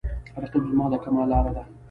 رقیب زما د کمال لاره ده